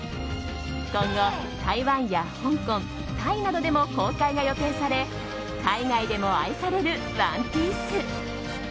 今後、台湾や香港タイなどでも公開が予定され海外でも愛される「ＯＮＥＰＩＥＣＥ」。